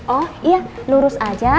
oh iya lurus aja